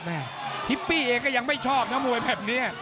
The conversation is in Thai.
ฮิปปี้เองก็ยังไม่ชอบนะมวยแบบนี้